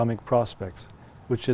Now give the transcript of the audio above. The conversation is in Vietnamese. và nó tốt để đưa lại fdi